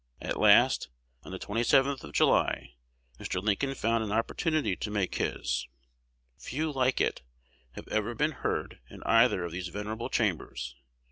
At last, on the 27th of July, Mr. Lincoln found an opportunity to make his. Few like it have ever been heard in either of those venerable chambers.